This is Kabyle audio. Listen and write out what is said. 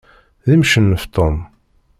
D imcennef Tom.